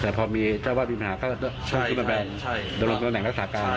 แต่พอเจ้าอาวาสมีปัญหาก็ต้องเป็นแม่งรักษาการ